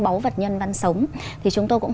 báu vật nhân văn sống thì chúng tôi cũng